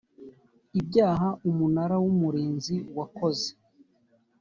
ibyaha umunara w umurinzi wakoze